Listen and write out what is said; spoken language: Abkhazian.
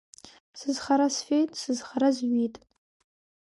Сызхара сфеит, сызхара зжәит.